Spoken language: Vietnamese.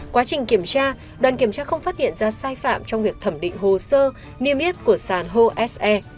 quá trình kiểm tra đoàn kiểm tra không phát hiện ra sai phạm trong việc thẩm định hồ sơ niêm yết của sàn hose